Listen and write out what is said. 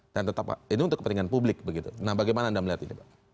dan tetap pak ini untuk kepentingan publik begitu nah bagaimana anda melihat ini pak